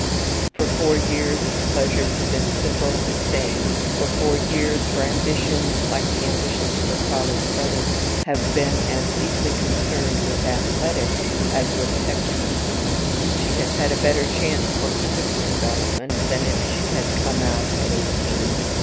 For four years her pleasures have been simple and sane. For four years her ambitions, like the ambitions of her college brother, have been as deeply concerned with athletics as with text books. She has had a better chance for physical development than if she had "come out" at eighteen.